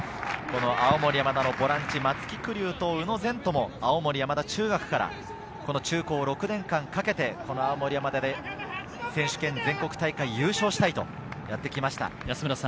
青森山田のボランチ・松木玖生と宇野禅斗も青森山田中学からこの中高６年間かけて青森山田で、選手権全国制覇、優勝したいと話していました。